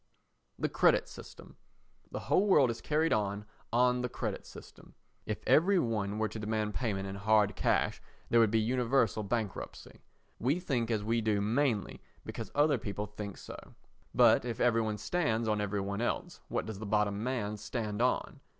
The Credit System The whole world is carried on on the credit system; if every one were to demand payment in hard cash, there would be universal bankruptcy. We think as we do mainly because other people think so. But if every one stands on every one else, what does the bottom man stand on?